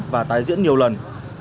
và tái diễn nhiều lần